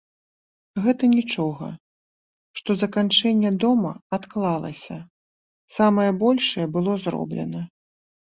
Гэта нічога, што заканчэнне дома адклалася, самае большае было зроблена.